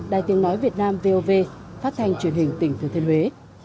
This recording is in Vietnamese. đài tiếng nói việt nam vov phát thanh truyền hình tỉnh thừa thiên huế